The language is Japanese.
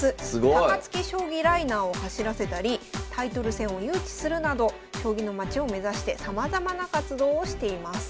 高槻将棋ライナーを走らせたりタイトル戦を誘致するなど将棋のまちを目指してさまざまな活動をしています。